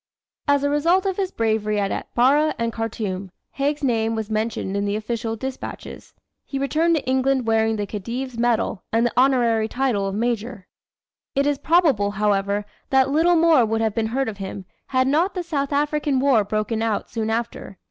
As a result of his bravery at Atbara and Khartoum, Haig's name was mentioned in the official despatches. He returned to England wearing the Khedive's medal and the honorary title of Major. It is probable, however, that little more would have been heard of him, had not the South African War broken out, soon after.